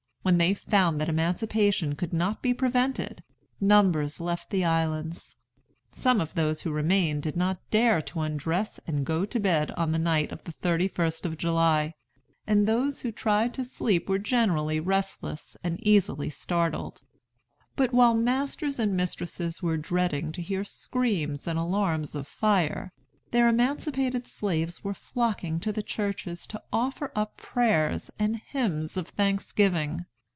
When they found that emancipation could not be prevented, numbers left the islands. Some of those who remained did not dare to undress and go to bed on the night of the 31st of July; and those who tried to sleep were generally restless and easily startled. But while masters and mistresses were dreading to hear screams and alarms of fire, their emancipated slaves were flocking to the churches to offer up prayers and hymns of thanksgiving.